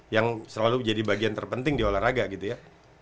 yang selalu jadi bagian terpenting di olahraga gitu ya